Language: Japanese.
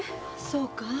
そうか。